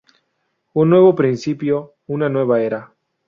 Un nuevo principio, una nueva era.